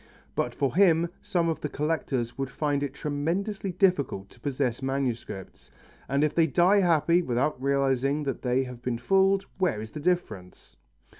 But for him some of the collectors would find it tremendously difficult to possess masterpieces, and if they die happy without realizing that they have been fooled, where is the difference?